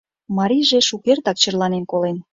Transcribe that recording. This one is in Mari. Марийже шукертак черланен колен.